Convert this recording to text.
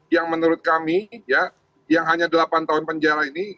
yang menurut kami ya yang hanya delapan tahun penjara ini